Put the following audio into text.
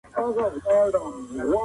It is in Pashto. ټکنالوژي زده کړئ.